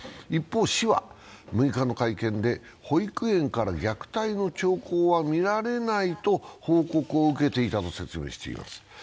一方、市は６日の会見で保育園から虐待の兆候は見られないと報告を受けていたと説明しています。